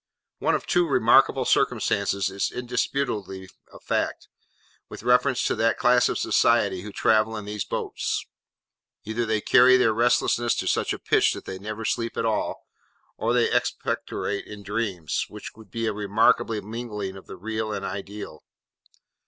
One of two remarkable circumstances is indisputably a fact, with reference to that class of society who travel in these boats. Either they carry their restlessness to such a pitch that they never sleep at all; or they expectorate in dreams, which would be a remarkable mingling of the real and ideal.